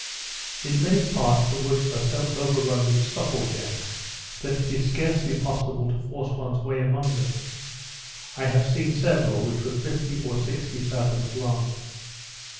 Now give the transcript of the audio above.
In many parts the woods are so over run with supplejacks, that it is scarcely possible to force one's way amongst them. I have seen several which were fifty or sixty fathoms long.